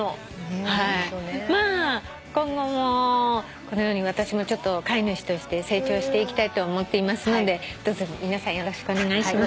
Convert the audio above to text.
まあ今後もこのように私も飼い主として成長していきたいと思っていますのでどうぞ皆さんよろしくお願いします。